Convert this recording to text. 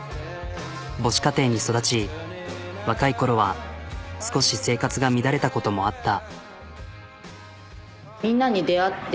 母子家庭に育ち若いころは少し生活が乱れたこともあった。